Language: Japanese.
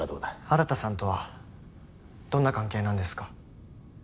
新さんとはどんな関係なんですか？